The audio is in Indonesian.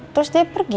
terus dia pergi